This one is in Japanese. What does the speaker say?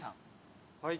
はい。